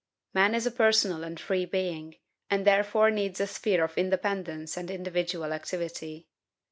Man is a personal and free being, and therefore needs a sphere of independence and individual activity.